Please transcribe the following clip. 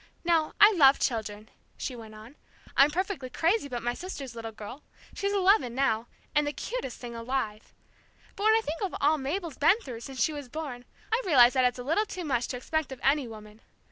Now, I love children," she went on. "I'm perfectly crazy about my sister's little girl. She's eleven now, and the cutest thing alive. But when I think of all Mabel's been through, since she was born, I realize that it's a little too much to expect of any woman.